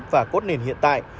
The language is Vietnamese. và cốt nền hiện tại